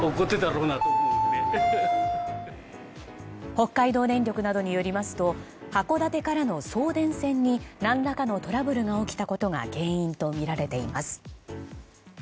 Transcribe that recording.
北海道電力などによりますと函館からの送電線に何らかのトラブルが起きたことが原因とみられています。